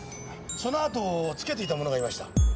そのあとをつけていた者がいました。